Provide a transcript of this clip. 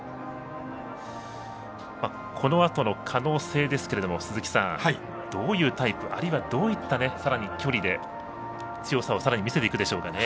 このあとの可能性ですけれども鈴木さん、どういうタイプあるいはどういったさらに距離で強さをさらに見せていくでしょうかね。